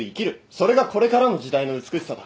それがこれからの時代の美しさだ。